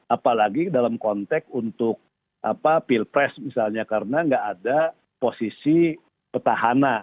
apalagi dalam konteks untuk pilpres misalnya karena nggak ada posisi petahana